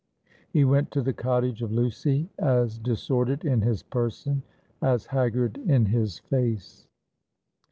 He went to the cottage of Lucy as disordered in his person, as haggard in his face.